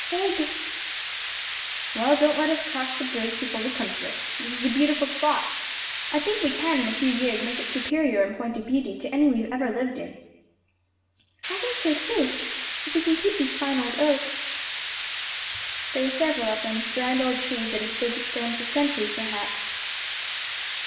"Ague!" "Well, don't let us cross the bridge before we come to it. This is a beautiful spot. I think we can, in a few years, make it superior in point of beauty to any we have ever lived in." "I think so too, if we can keep these fine old oaks." There were several of them; grand old trees that had stood the storms of centuries, perhaps.